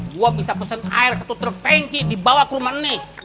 gua bisa pesen air satu truk tanki dibawa ke rumah nih